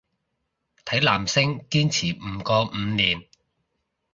睇男星堅持唔過五年